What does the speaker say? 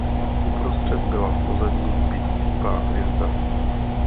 Uprostřed byla v pozadí pěticípá hvězda.